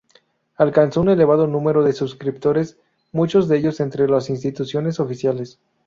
Alcanzó un elevado número de suscriptores, muchos de ellos entre las instituciones oficiales.